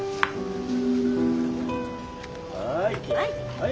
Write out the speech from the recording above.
はい。